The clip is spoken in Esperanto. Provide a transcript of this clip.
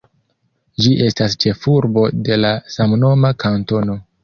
Ĝi estas ĉefurbo de la samnoma kantono.